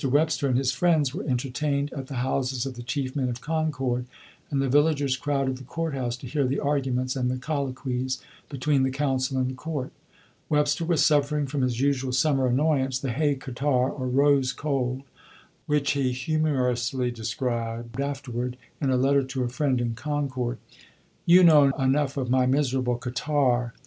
Webster and his friends were entertained at the houses of the chief men of Concord, and the villagers crowded the court house to hear the arguments and the colloquies between the counsel and the court. Webster was suffering from his usual summer annoyance, the "hay catarrh," or "rose cold," which he humorously described afterward in a letter to a friend in Concord: "You know enough of my miserable catarrh.